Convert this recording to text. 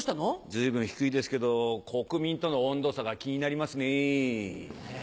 随分低いですけど国民との温度差が気になりますね。